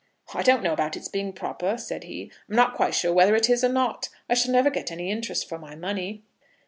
"I don't know about it's being proper," said he. "I'm not quite sure whether it is or not. I shall never get any interest for my money."